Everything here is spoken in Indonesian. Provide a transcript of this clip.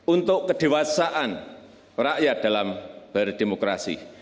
untuk kedewasaan rakyat dalam berdemokrasi